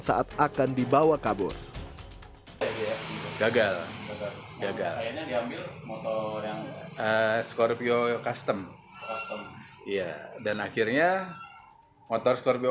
saat akan dibawa kabur gagal gagal motor yang scorpio custom iya dan akhirnya motor scorpio